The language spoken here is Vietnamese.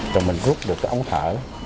rồi mình rút được cái ống thở